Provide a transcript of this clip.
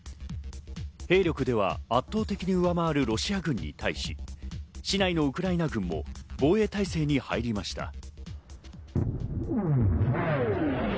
兵力では圧倒的に上回るロシア軍に対し、市内のウクライナ軍も防衛態勢に入りました。